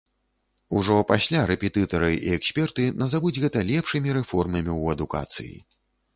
Ужо пасля рэпетытары і эксперты назавуць гэта лепшымі рэформамі ў адукацыі.